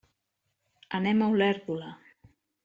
Anem a Olèrdola.